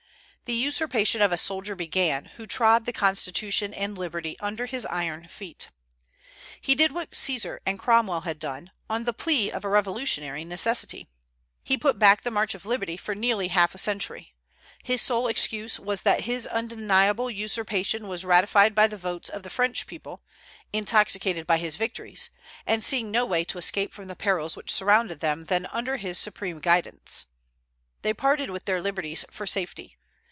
The usurpation of a soldier began, who trod the constitution and liberty under his iron feet. He did what Caesar and Cromwell had done, on the plea of revolutionary necessity. He put back the march of liberty for nearly half a century. His sole excuse was that his undeniable usurpation was ratified by the votes of the French people, intoxicated by his victories, and seeing no way to escape from the perils which surrounded them than under his supreme guidance. They parted with their liberties for safety.